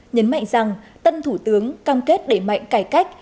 nhấn mạnh rằng tân thủ tướng cam kết đẩy mạnh cải cách